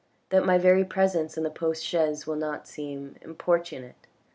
that my very presence in the post chaise will not seem importunate?